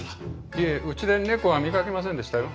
いえうちで猫は見かけませんでしたよ。